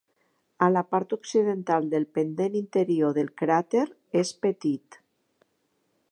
A la part occidental del pendent interior del cràter és petit.